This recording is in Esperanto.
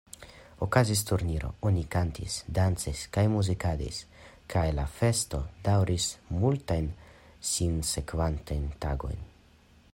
Okazis turniro, oni kantis, dancis kaj muzikadis kaj la festo dauris multajn sinsekvantajn tagojn.